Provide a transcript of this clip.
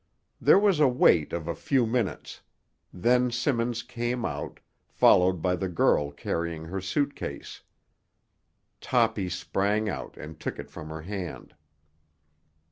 There was a wait of a few minutes; then Simmons came out, followed by the girl carrying her suitcase. Toppy sprang out and took it from her hand.